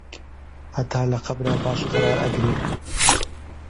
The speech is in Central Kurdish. هەتا لە قەبرا باش قەرار ئەگرێ